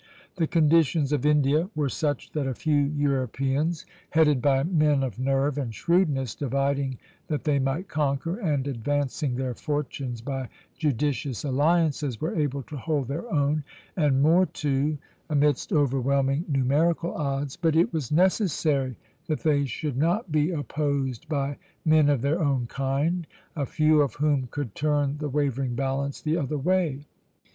The conditions of India were such that a few Europeans, headed by men of nerve and shrewdness, dividing that they might conquer, and advancing their fortunes by judicious alliances, were able to hold their own, and more too, amidst overwhelming numerical odds; but it was necessary that they should not be opposed by men of their own kind, a few of whom could turn the wavering balance the other way.